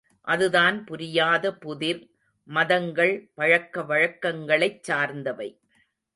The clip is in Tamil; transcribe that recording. அதுதான் புரியாத புதிர் மதங்கள் பழக்க வழக்கங்களைச் சார்ந்தவை.